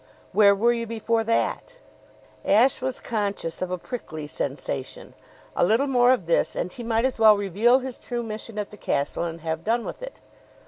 "Where were you before that?" Ashe was conscious of a prickly sensation. A little more of this and he might as well reveal his true mission at the castle and have done with it.